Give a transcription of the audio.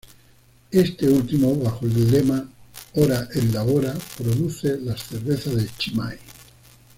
Este último, bajo el lema "Ora et Labora", produce las cervezas de Chimay.